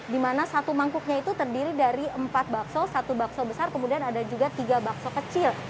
di mana satu mangkuknya itu terdiri dari empat bakso satu bakso besar kemudian ada juga tiga bakso kecil